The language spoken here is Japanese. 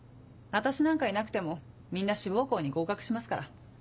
私なんかいなくてもみんな志望校に合格しますから。